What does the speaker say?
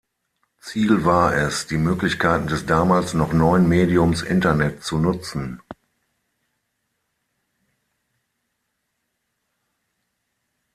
Ziel war es, die Möglichkeiten des damals noch neuen Mediums Internet zu nutzen.